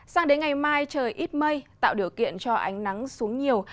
sang đến ngày mai trời ít mây tạo điều kiện cho ánh nắng xuống nhiều